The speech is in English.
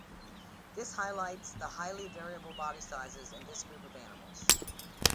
This highlights the highly variable body sizes in this group of animals.